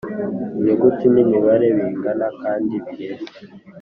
Inyuguti n’imibare bingana kandi bireshya